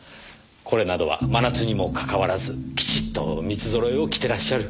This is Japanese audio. これなどは真夏にもかかわらずきちっと三つ揃えを着てらっしゃる。